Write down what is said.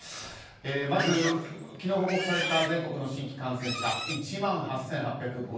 まず昨日報告された全国の新規感染者１万８８５８人。